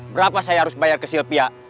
berapa saya harus bayar ke silpia